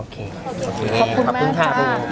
ขอบคุณมากค่ะ